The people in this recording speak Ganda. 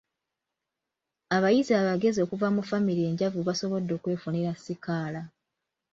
Abayizi abagezi okuva mu ffamire enjavu basobodde okwefunira sikaala.